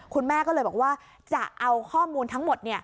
คุณแม่ก็เลยบอกว่าจะเอาข้อมูลทั้งหมด